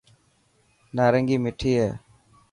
نارنگي مٺي هي.